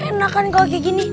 enak kan kalau kayak gini